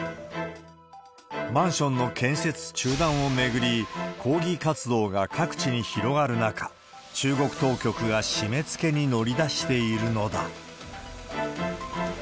マンションの建設中断を巡り、抗議活動が各地に広がる中、中国当局が締めつけに乗り出しているのだ。